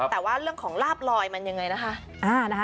แต่ว่าเรื่องของลาบลอยมันยังไงนะคะ